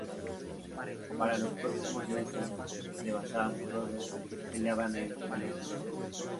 Para los próximos meses, The Basham Brothers peleaban en "Velocity".